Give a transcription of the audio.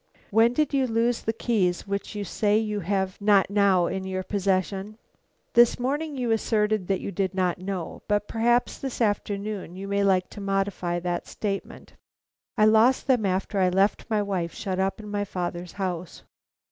"When did you lose the keys which you say you have not now in your possession? This morning you asserted that you did not know; but perhaps this afternoon you may like to modify that statement." "I lost them after I left my wife shut up in my father's house."